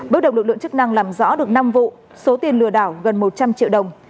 bước đầu lực lượng chức năng làm rõ được năm vụ số tiền lừa đảo gần một trăm linh triệu đồng